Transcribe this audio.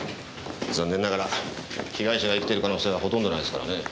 残念ながら被害者が生きてる可能性はほとんどないですからね。